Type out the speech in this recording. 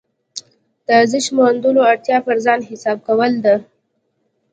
د ارزښت موندلو اړتیا پر ځان حساب کول ده.